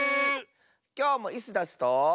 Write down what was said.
きょうもイスダスと。